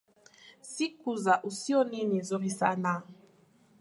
Siku za usoni ni nzuri sana